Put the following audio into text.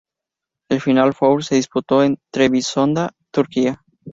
La final four se disputó en Trebisonda, Turquía.